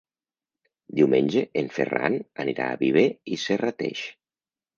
Diumenge en Ferran anirà a Viver i Serrateix.